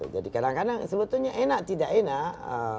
kadang kadang sebetulnya enak tidak enak